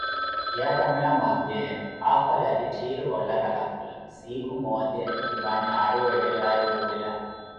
Yattamela mwalteyiya, akhole atitthiru oolakala phula, siikhu moote, tipani ari weetelaawe wuupuwela?